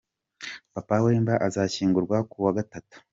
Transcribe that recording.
Papa Wemba azashyingurwa ku wa Gatatu.